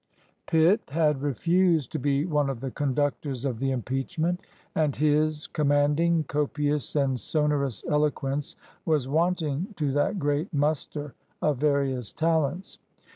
Pitt had refused to be one of the conductors of the impeachment; and his commanding, copious, and sonorous eloquence was wanting to that great muster of various talents.